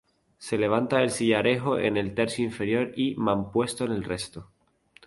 Se levanta en sillarejo en el tercio inferior y mampuesto en el resto.